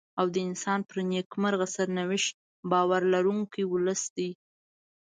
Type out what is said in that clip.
او د انسان پر نېکمرغه سرنوشت باور لرونکی ولس دی.